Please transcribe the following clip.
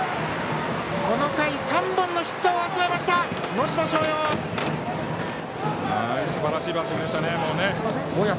この回、３本のヒットを集めた能代松陽！